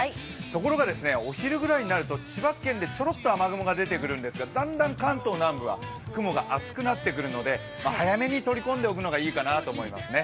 ところが、お昼ぐらいになると千葉県でちょろっと雨雲が出てくるんですがだんだん関東南部は雲が厚くなってくるので早めに取り込んでおくのがいいかなと思いますね。